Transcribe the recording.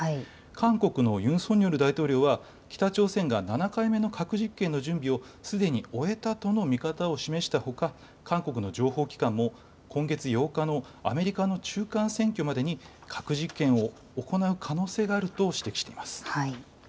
韓国のユン・ソンニョル大統領は北朝鮮が７回目の核実験の準備をすでに終えたとの見方を示したほか、韓国の情報機関も今月８日のアメリカの中間選挙までに核実験を行う可能性があると指摘しています。